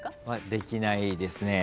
できないですね。